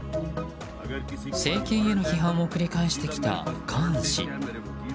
政権への批判を繰り返してきたカーン氏。